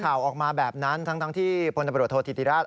ข่าวออกมาแบบนั้นทั้งที่พลตำรวจโทษธิติราช